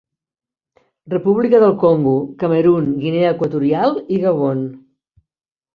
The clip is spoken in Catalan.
República del Congo, Camerun, Guinea Equatorial i Gabon.